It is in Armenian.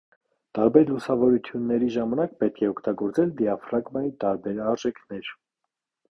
Տարբեր լուսավորությունների ժամանակ պետք է օգտագործել դիաֆրագմայի տարբեր արժեքներ։